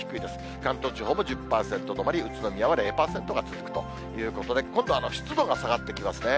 関東地方も１０％止まり、宇都宮は０％が続くということで、今度、湿度が下がってきますね。